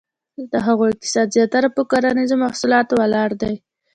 د هغو اقتصاد زیاتره په کرنیزه محصولاتو ولاړ دی.